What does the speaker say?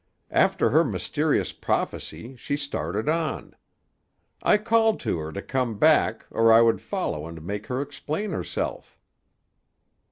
After her mysterious prophecy she started on. I called to her to come back or I would follow and make her explain herself."